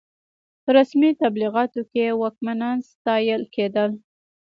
په رسمي تبلیغاتو کې واکمنان ستایل کېدل.